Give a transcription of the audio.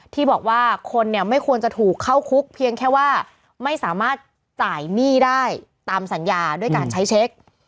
ที่บอกว่าคนเนี่ยไม่ควรจะถูกเข้าคุกเพียงแค่ว่าไม่สามารถจ่ายหนี้ได้ตามสัญญาด้วยการใช้เช็ค